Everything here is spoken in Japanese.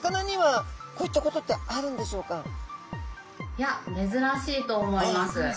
いやめずらしいと思います。